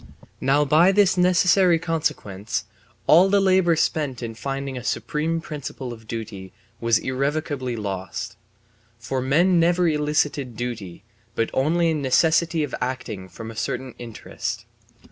Now by this necessary consequence all the labour spent in finding a supreme principle of duty was irrevocably lost. For men never elicited duty, but only a necessity of acting from a certain interest.